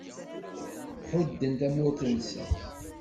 Ḥudden tamurt-nsen.